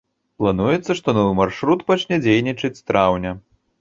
Плануецца, што новы маршрут пачне дзейнічаць з траўня.